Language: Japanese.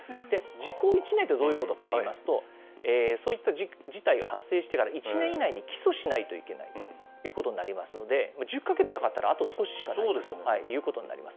時効１年ってどういうことかといいますと、そういった事態が発生してから１年以内に起訴しないといけないということになりますので、１０か月かかったら、あと少ししかないということになります。